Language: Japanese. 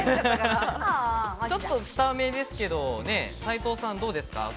ちょっと下めですけれど、斉藤さんのどうですか？